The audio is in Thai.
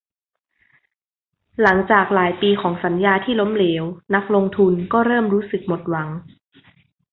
หลังจากหลายปีของสัญญาที่ล้มเหลว นักลงทุนก็เริ่มรู้สึกหมดหวัง